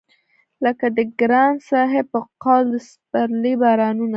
لکه د ګران صاحب په قول د سپرلي بارانونه